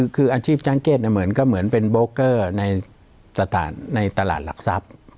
คืออาชีพจ้างเกษก็เหมือนเป็นโบรกเกอร์ในตลาดหลักทรัพย์